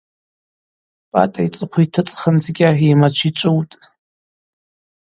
Пӏатӏа йцӏыхъва йтыцӏхындзыкӏьа йымачв йчӏвыутӏ.